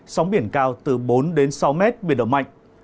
sóng biển cao từ bốn đến sáu mét biển động mạnh